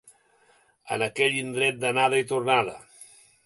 En aquell indret d'anada i tornada.